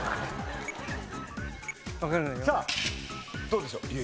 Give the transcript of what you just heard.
さあどうでしょう？